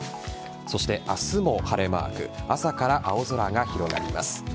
そして明日も晴れマーク朝から青空が広がります。